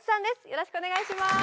よろしくお願いします。